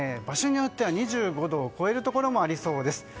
場所によっては２５度を超えるところもありそうです。